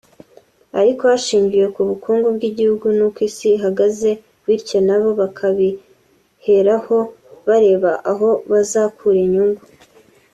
ariko hashingiwe ku bukungu bw’igihugu n’uko isi ihagaze bityo na bo bakabiheraho bareba aho bazakura inyungu